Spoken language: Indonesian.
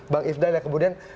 bang ifdal ya kemudian